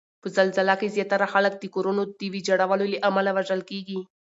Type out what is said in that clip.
په زلزله کې زیاتره خلک د کورونو د ویجاړولو له امله وژل کیږي